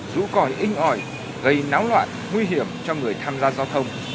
rú còi inh ỏi gây náo loạn nguy hiểm cho người tham gia giao thông